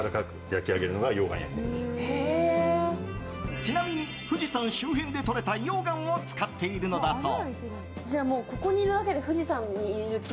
ちなみに、富士山周辺でとれた溶岩を使っているのだそう。